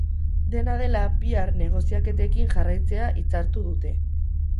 Dena dela, bihar negoziaketekin jarraitzea hitzartu dute.